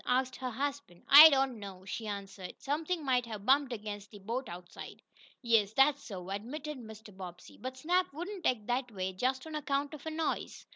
asked her husband. "I don't know," she answered. "Something might have bumped against the boat outside." "Yes, that's so," admitted Mr. Bobbsey. "But Snap wouldn't act that way just on account of a noise."